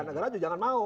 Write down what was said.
negara juga jangan mau